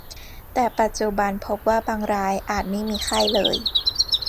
แต่ปัจจุบันพบว่าบางรายอาจไม่มีไข้เลย